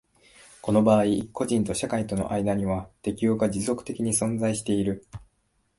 この場合個人と社会との間には適応が持続的に存在している。